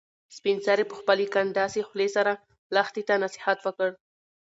سپین سرې په خپلې کنډاسې خولې سره لښتې ته نصیحت وکړ.